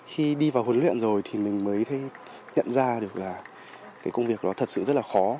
khi đi vào huấn luyện rồi thì mình mới nhận ra được là công việc đó thật sự rất là khó